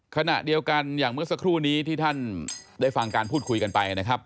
ขณะเดียวกันอย่างเมื่อสักครู่นี้ที่ท่านได้ฟังการพูดคุยกันไปนะครับ